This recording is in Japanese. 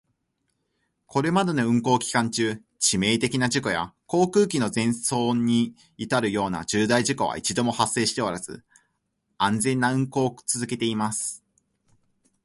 これまでの運航期間中、致命的な事故や航空機の全損に至るような重大事故は一度も発生しておらず、安全な運航を続けています。